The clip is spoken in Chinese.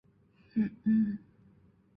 留下怀念之情